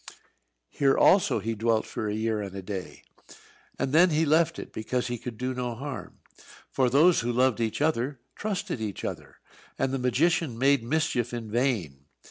Here also he dwelt for a year and a day, and then he left it because he could do no harm. For those who loved each other trusted each other, and the magician made mischief in vain.